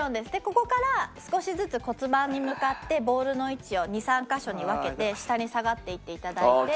ここから少しずつ骨盤に向かってボールの位置を２３カ所に分けて下に下がっていって頂いて。